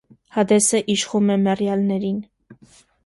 Հադեսը իշխում է մեռյալներին։